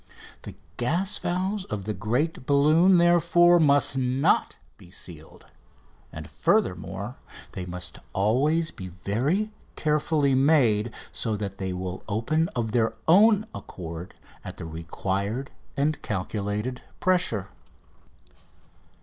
The gas valves of the great balloon, therefore, must not be sealed; and, furthermore, they must always be very carefully made, so that they will open of their own accord at the required and calculated pressure.